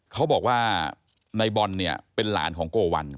เขาบอกว่าในบอลเนี่ยเป็นหลานของโกวัล